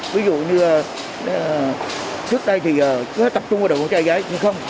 ví dụ như trước đây thì cứ tập trung vào đội phòng cháy chữa cháy nhưng không